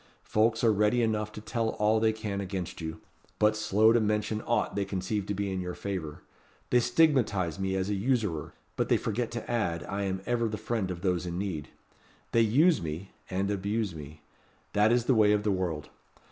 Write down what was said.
Folks are ready enough to tell all they can against you; but slow to mention aught they conceive to be in your favour. They stigmatize me as a usurer; but they forget to add, I am ever the friend of those in need. They use me, and abuse me. That is the way of the world.